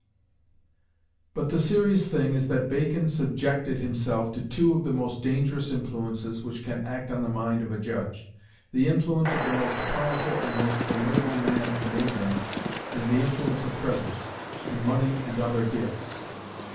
But the serious thing is that Bacon subjected himself to two of the most dangerous influences which can act on the mind of a judge the influence of the most powerful and most formidable man in England, and the influence of presents, in money and other gifts.